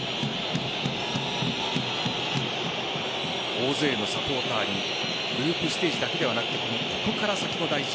大勢のサポーターにグループステージだけではなくここから先も大事。